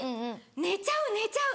寝ちゃう寝ちゃう。